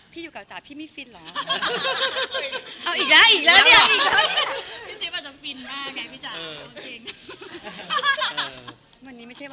พี่อยู่กับจ๋าพี่ไม่ฟินเหรอ